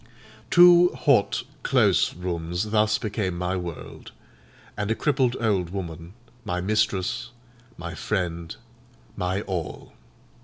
Two hot, close rooms thus became my world; and a crippled old woman, my mistress, my friend, my all.